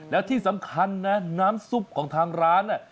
แล้วที่สำคัญนะน้ำซุปของทางร้าน